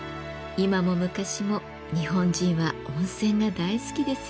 今も昔も日本人は温泉が大好きですよね。